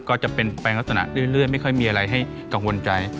ก็จะเป็นไปลักษณะเรื่อยไม่ค่อยมีอะไรให้กังวลใจ